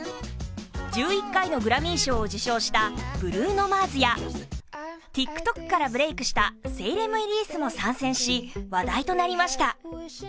１１回のグラミー賞を受賞したブルーノ・マーズやＴｉｋＴｏｋからブレークしたセイレム・イリースも参戦し話題となりました。